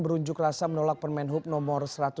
berunjuk rasa menolak permain hub no satu ratus delapan